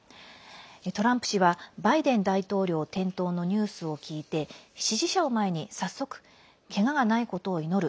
トランプ氏はバイデン大統領転倒のニュースを聞いて支持者を前に早速けががないことを祈る。